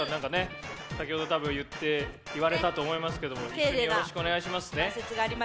先ほど、多分言われたと思いますけど一緒によろしくお願いしますね。